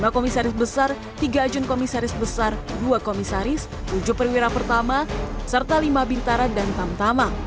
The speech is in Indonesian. dua komisaris besar tiga ajun komisaris besar dua komisaris tujuh perwira pertama serta lima bintara dan tamtama